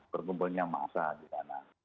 bergumpulnya massa di sana